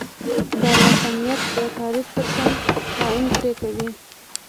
د عقلانیت د تعریف ترڅنګ تعین پرې کوي.